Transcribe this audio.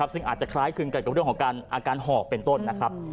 ซึ่งอาจจะคล้ายคลึงกันกับเรื่องของการอาการหอบเป็นต้นนะครับ